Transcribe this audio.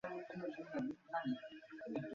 সুচরিতা কহিল, কিন্তু, তিনি তো– পরেশবাবু।